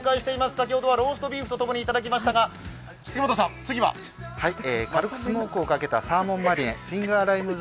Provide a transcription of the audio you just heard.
先ほどはローストビーフとともにいただきましたが、軽くスモークをかけたサーモンマリネ。